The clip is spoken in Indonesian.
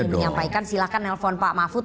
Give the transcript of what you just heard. menyampaikan silahkan nelfon pak mahfud